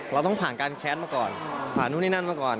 เราต้องผ่านการแค้นมาก่อนผ่านนู่นนี่นั่นมาก่อน